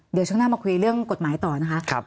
เดี๋ยวช่วงหน้ามาคุยเรื่องกฎหมายต่อนะคะ